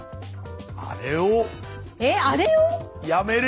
あれを？